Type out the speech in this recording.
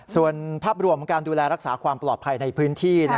ส่วนภาพรวมการดูแลรักษาความปลอดภัยในพื้นที่